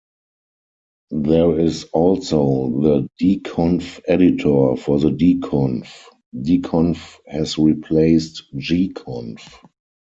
There is also the dconf-editor for the dconf; dconf has replaced Gconf.